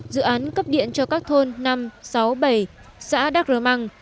dự án cấp điện cho các thôn năm sáu bảy xã đắk rơ măng